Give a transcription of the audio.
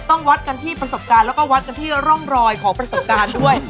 ต้องวัดกันที่ประสบการณ์แล้วก็วัดกันที่ร่องรอยของประสบการณ์ด้วย